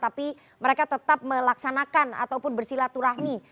tapi mereka tetap melaksanakan ataupun bersilaturahmi